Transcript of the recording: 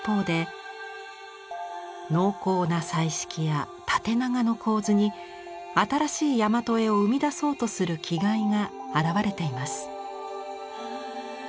濃厚な彩色や縦長の構図に新しいやまと絵を生み出そうとする気概が表れています。